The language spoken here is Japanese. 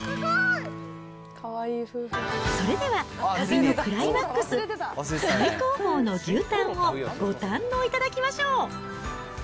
それでは旅のクライマックス、最高峰の牛タンをご堪能いただきましょう。